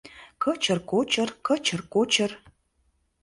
- Кычыр-кочыр, кычыр-кочыр